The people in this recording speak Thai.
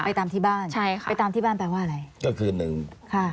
ตามที่บ้านใช่ค่ะไปตามที่บ้านแปลว่าอะไรก็คือหนึ่งค่ะ